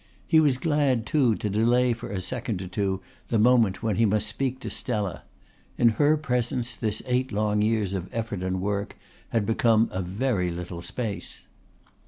He was glad too to delay for a second or two the moment when he must speak to Stella. In her presence this eight long years of effort and work had become a very little space.